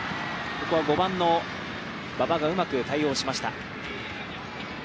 ５番の馬場がうまく対応しました。